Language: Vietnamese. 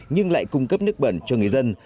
nhưng lại cung cấp nước bẩn cho người dân